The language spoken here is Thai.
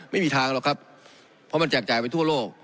ไม่มีทางหรอกครับเพราะมันแจกจ่ายไปทั่วโลก